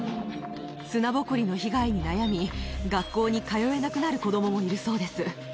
砂ぼこりの被害に悩み、学校に通えなくなる子どももいるそうです。